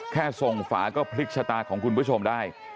แค่ส่งฝาก็พลิกชะตาของคุณผู้ชมได้